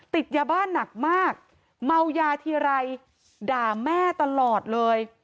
ติดยาบ้านหนักมากเมายาทีไรด่าแม่ตลอดเลย